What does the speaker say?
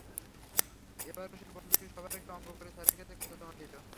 এবারও সেই বন্ধুটি সবার আগে অঙ্ক করে স্যারের কাছে খাতা জমা দিল।